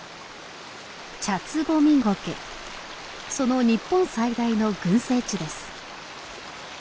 その日本最大の群生地です。